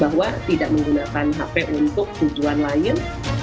bahwa tidak menggunakan hp untuk tujuan lain